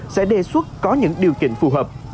sẽ đề xuất có những điều kiện phù hợp